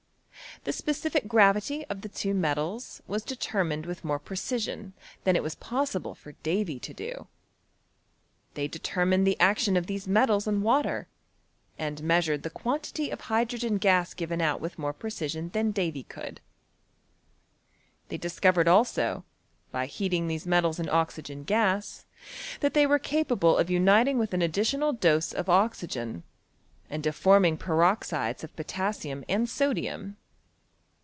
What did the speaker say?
The specific gravity of the two metals was determined with more precision than it was possible for Davy to do. They detennined the action of these metals on water, and measured the quantity of hydrogen gas given out with more precision than Davy could. They discovered also, by heating these metals in oxygen gas, that they were capable of uniting with an additional dose of oxygen, and of forming per oxides of potassium and sodium.